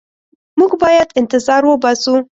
موږ باید انتظار وباسو.